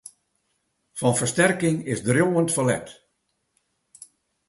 Fan fersterking is driuwend ferlet.